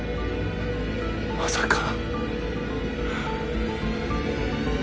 まさか。